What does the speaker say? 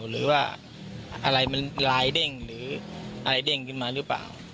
หรือว่าอะไรมันลายเด้งหรืออะไรเด้งขึ้นมาหรือเปล่า